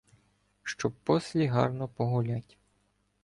Щоб послі гарно погулять